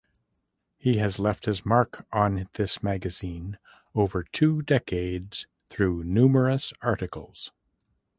He has left his mark on this magazine over two decades through numerous articles.